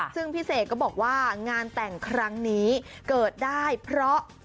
ซึ่งพี่เสกก็บอกว่างานแต่งครั้งนี้เกิดได้เพราะ